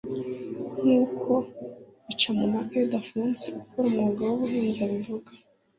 nk’uko Bicamumpaka Ildephonse ukora umwuga w’ubuhinzi abivuga